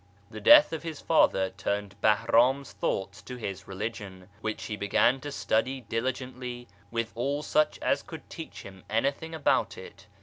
The death of his father turned Bahram's thoughts to his religion, which he began to study dihgently with all such as could teach him anything about it.